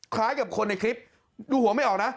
คล้ายกับคนในคลิปดูหัวไม่ออกนะ